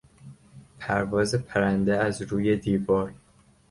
پرواز پرنده از روی دیوار